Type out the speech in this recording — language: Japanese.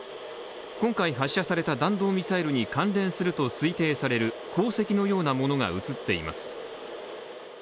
今回発射された弾道ミサイルに関連すると推定される航跡のようなものが映っています。